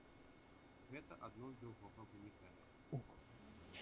Гэта адно з другога вынікае.